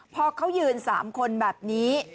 พอเขายืน๓คนแบบนี้